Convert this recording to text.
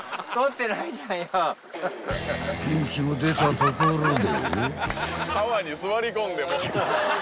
［元気も出たところで］